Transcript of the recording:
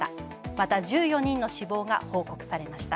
また、１４人の死亡が報告されました。